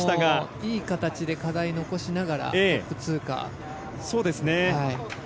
いいところで課題を残しながらトップ通過。